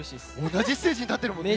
同じステージに立っているもんね。